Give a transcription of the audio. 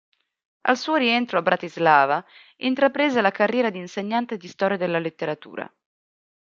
Al suo rientro a Bratislava intraprese la carriera di insegnante di storia della letteratura.